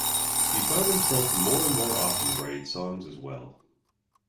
He found himself more and more often writing songs as well.